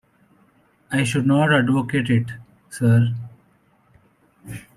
I should not advocate it, sir.